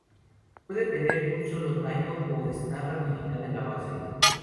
Puede tener un solo tallo o estar ramificada en la base.